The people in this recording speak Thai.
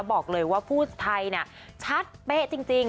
บอกเลยว่าพูดไทยเนี่ยชัดเป้จริง